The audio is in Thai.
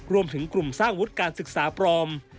รวมถึงกลุ่มสร้างวุฒิการศึกษาปลอม